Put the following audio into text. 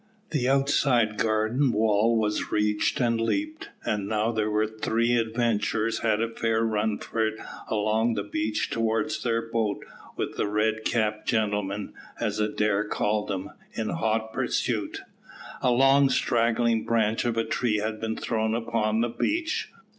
The outside garden wall was reached and leaped, and now the three adventurers had a fair run for it along the beach towards their boat with the red capped gentlemen, as Adair called them, in hot pursuit. A long straggling branch of a tree had been thrown upon the beach.